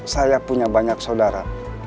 saya punya banyak saudara